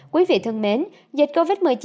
quý vị thân mến dịch covid một mươi chín